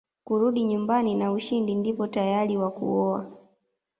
kurudi nyumbani na ushindi ndipo tayari wa kuoa